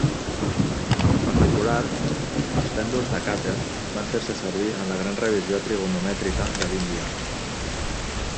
En particular, els pènduls de Kater van fer-se servir en la gran revisió trigonomètrica de l'Índia.